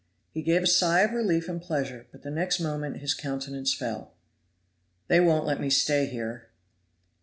He gave a sigh of relief and pleasure, but the next moment his countenance fell. "They won't let me stay here!"